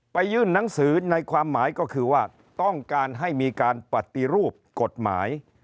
ยื่นหนังสือในความหมายก็คือว่าต้องการให้มีการปฏิรูปกฎหมาย